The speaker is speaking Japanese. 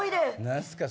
何すか？